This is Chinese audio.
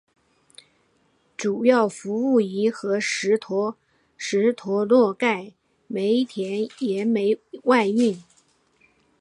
主要服务于和什托洛盖煤田原煤外运。